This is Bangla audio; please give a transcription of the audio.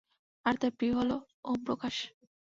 আর তার প্রিয় হলো, ওম প্রকাশ।